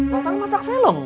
peralatan masak saya lho